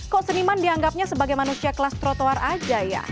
kok seniman dianggapnya sebagai manusia kelas trotoar aja ya